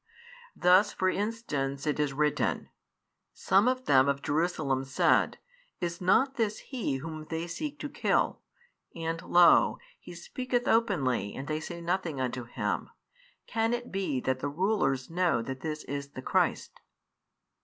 Thus for instance it is written: Some of them of Jerusalem said, Is not this He Whom they seek to kill? And lo, He speaketh openly and they say nothing unto Him. Can it he that the rulers know that this is the Christ?